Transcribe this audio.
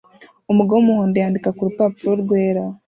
Umugabo wumuhondo yandika kurupapuro rwera